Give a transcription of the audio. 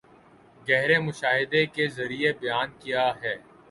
گہرے مشاہدے کے ذریعے بیان کیا ہے